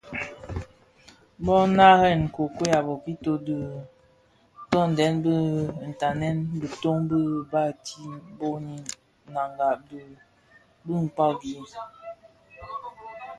Bō narèn nkokuei a bokito bi dhi tondèn bi tanènga bitoň bi Bati (boni Nanga) bi Kpagi.